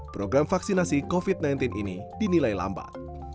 program vaksinasi covid sembilan belas ini dinilai lambat